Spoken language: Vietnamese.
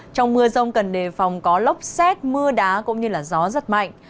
trong mưa rông cần đề phòng có lốc xét mưa đá cũng như gió rất mạnh